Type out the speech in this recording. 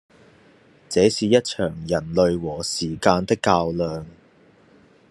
這是一場人類和時間的較量